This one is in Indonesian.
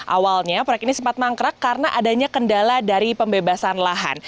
awalnya proyek ini sempat mangkrak karena adanya kendala dari pembebasan lahan